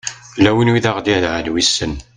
yella win i aɣ-d-idɛan wissen